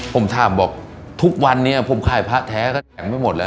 ผมถามบอกทุกวันนี้ผมขายพระแท้ก็แข็งไม่หมดแล้ว